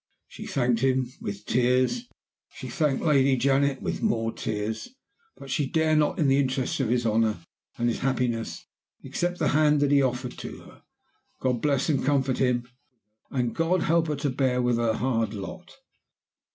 She thanked him (with tears); she thanked Lady Janet (with more tears); but she dare not, in the interests of his honor and his happiness, accept the hand that he offered to her. God bless and comfort him; and God help her to bear with her hard lot!